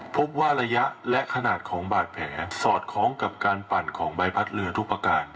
พบว่าระยะและขนาดของบาดแผลสอดคล้องกับการปั่นของใบพัดเรือทุกประการ